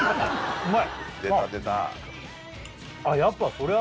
うまい？